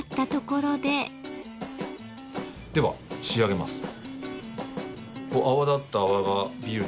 では仕上げます。